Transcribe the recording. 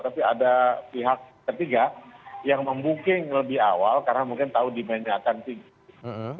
tapi ada pihak ketiga yang membooking lebih awal karena mungkin tahu demandnya akan tinggi